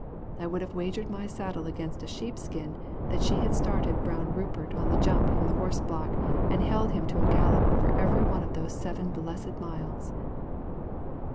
I would have wagered my saddle against a sheepskin that she had started Brown Rupert on the jump from the horse block and held him to a gallop over every one of those seven blessed miles.